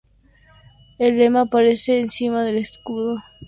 El lema aparece encima del escudo de armas, en la tradición heráldica de Escocia.